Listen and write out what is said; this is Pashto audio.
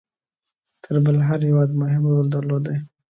تر بل هر هیواد مهم رول درلودی.